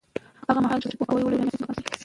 هغه مهال چې ښځې پوهاوی ولري، ټولنیز زیان به کم شي.